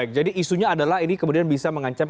baik jadi isunya adalah ini kemudian bisa mengancam